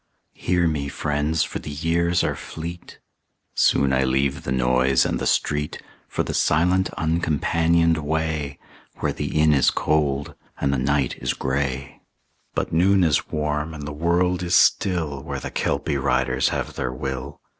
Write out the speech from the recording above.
Hear me, friends, for the years are fleet; Soon I leave the noise and the street For the silent uncompanioned way Where the inn is cold and the night is gray. But noon is warm and the world is still Where the Kelpie riders have their will.